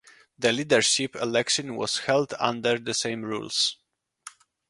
The leadership election was held under the same rules.